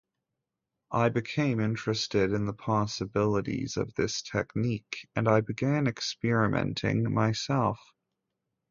I became interested in the possibilities of this technique, and I began experimenting myself.